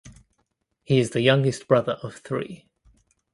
He is youngest brother of three.